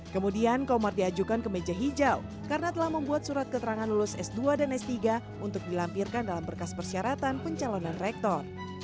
kemudian komar diajukan ke meja hijau karena telah membuat surat keterangan lulus s dua dan s tiga untuk dilampirkan dalam berkas persyaratan pencalonan rektor